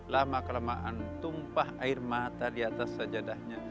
lama kelamaan tumpah air mata di atas sajadahnya